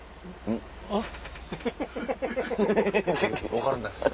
分かんないっす。